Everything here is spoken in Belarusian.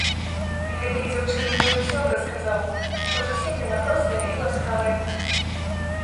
Гэтай дзяўчыне ён усё б расказаў, бо зусім яна простая і ласкавая.